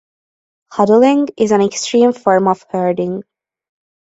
Huddling is an extreme form of herding.